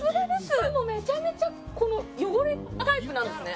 しかもめちゃめちゃこの汚れタイプなんですね